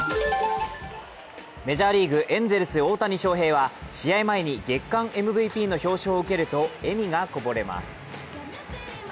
メジャーリーグ、エンゼルス・大谷翔平は試合前に月間ＭＶＰの表彰を受けると笑みがこぼれます。